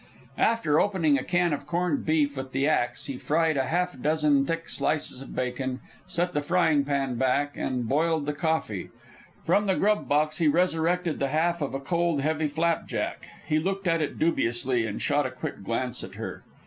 After opening a can of corned beef with the axe, he fried half a dozen thick slices of bacon, set the frying pan back, and boiled the coffee. From the grub box he resurrected the half of a cold heavy flapjack. He looked at it dubiously, and shot a quick glance at her.